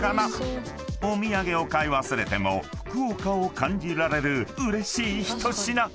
［お土産を買い忘れても福岡を感じられるうれしい一品］